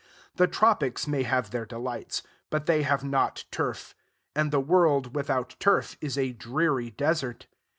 The tropics may have their delights, but they have not turf: and the world without turf is a dreary desert.